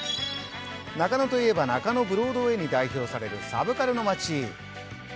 中野といえば中野ブロードウェイに代表されるサブカルの街。